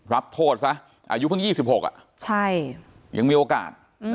รับโทษซะอายุเพิ่ง๒๖ยังมีโอกาส